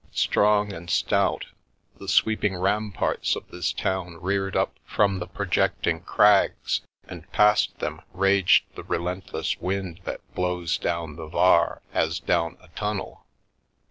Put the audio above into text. Strong and stout, the sweeping ramparts of this town reared up from the projecting crags, and past them raged the relentless wind that blows down the Var as down a tunnel.